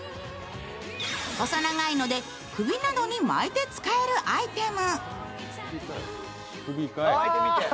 細長いので、首になどに巻いて使えるアイテム。